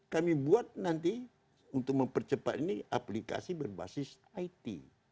kami buat nanti untuk mempercepat ini aplikasi berbasis it